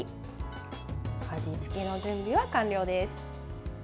味付けの準備は完了です。